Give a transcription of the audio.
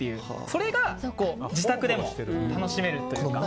それが自宅でも楽しめるというか。